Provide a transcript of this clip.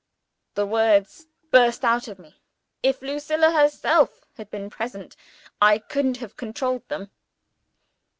The words burst out of me: if Lucilla herself had been present, I couldn't have controlled them.